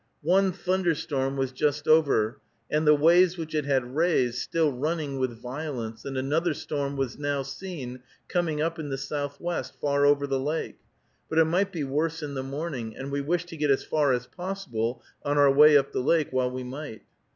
One thunder storm was just over, and the waves which it had raised still running with violence, and another storm was now seen coming up in the southwest, far over the lake; but it might be worse in the morning, and we wished to get as far as possible on our way up the lake while we might.